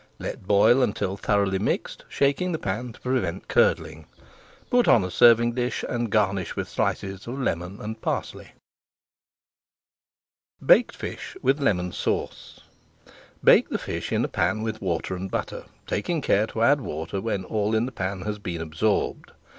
Let boil until thoroughly mixed, shaking the pan to prevent curdling. Put on a serving dish, and garnish with slices of lemon and parsley. BAKED FISH WITH LEMON SAUCE Bake the fish in a pan with water and butter, taking care to add water when all in the pan has been absorbed.